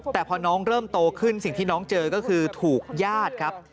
แต่พอน้องเริ่มโตขึ้นสิ่งที่น้องเจอก็คือถูกญาติครับ